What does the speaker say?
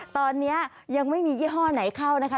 ตอนนี้ยังไม่มียี่ห้อไหนเข้านะคะ